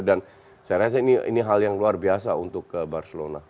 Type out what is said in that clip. dan saya rasa ini hal yang luar biasa untuk barcelona